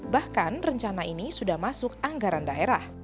bahkan rencana ini sudah masuk anggaran daerah